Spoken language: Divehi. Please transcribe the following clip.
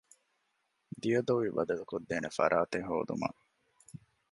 ދިޔަދޮވި ބަދަލުކޮށްދޭނެ ފަރާތެއް ހޯދުމަށް